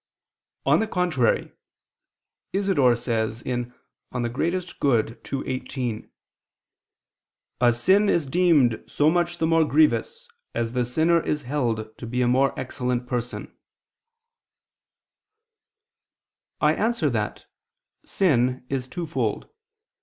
On the contrary, Isidore says (De Summo Bono ii, 18): "A sin is deemed so much the more grievous as the sinner is held to be a more excellent person." I answer that, Sin is twofold.